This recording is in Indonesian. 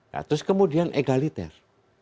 terus kemudian egaliter